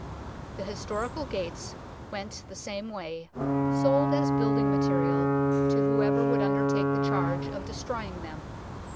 The historical gates went the same way, sold as build REMAINS OF THE CITY WALL 35 ing material to whoever would undertake the charge of destroying them.